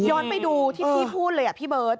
ไปดูที่พี่พูดเลยพี่เบิร์ต